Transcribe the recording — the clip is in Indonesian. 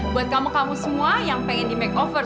buat kamu kamu semua yang pengen di makeover